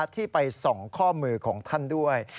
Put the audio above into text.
ที่ไปส่องข้อมือของท่านด้วย